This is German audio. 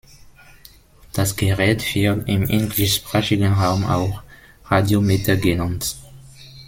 Das Gerät wird im englischsprachigen Raum auch "Radiometer" genannt.